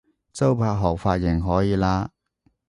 周柏豪髮型可以喇